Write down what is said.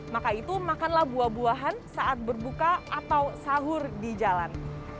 maka itu makanlah buah buahan saat berbuka atau sahur di jalan